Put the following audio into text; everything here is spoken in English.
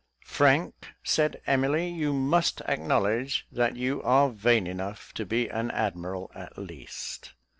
"Frank," said Emily, "you must acknowledge that you are vain enough to be an admiral at least."